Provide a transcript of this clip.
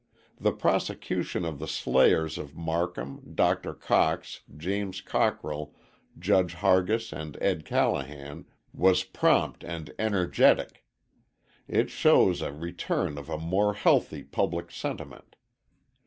The prosecution of the slayers of Marcum, Dr. Cox, James Cockrell, Judge Hargis and Ed. Callahan was prompt and energetic. It shows a return of a more healthy public sentiment.